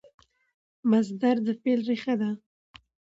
مصدر د فعل ریښه ده.